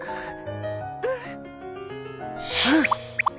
うん。